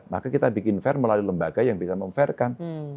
maka kita bikin fair melalui lembaga yang bisa memfairkan